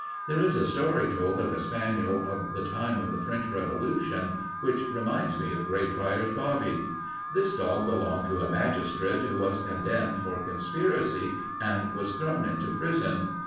There is a story told of a spaniel of the time of the French Revolution which reminds one of Greyfriars Bobby. This dog belonged to a magistrate who was condemned for conspiracy and was thrown into prison.